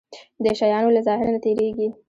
د شيانو له ظاهر نه تېرېږي.